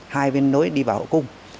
hai bên nối đi vào hậu cung